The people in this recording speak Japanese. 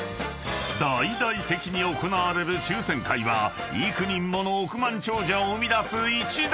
［大々的に行われる抽せん会は幾人もの億万長者を生み出す一大イベント！］